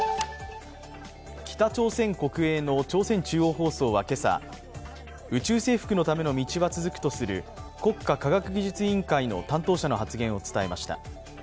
北朝鮮国営の朝鮮中央放送は今朝宇宙征服のための道は続くとする国家科学技術委員会の担当者の発言を伝えました。